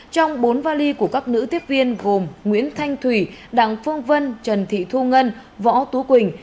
trong bốn vali của các nữ tiếp viên gồm nguyễn thanh thủy đặng phương vân trần thị thu ngân võ tú quỳnh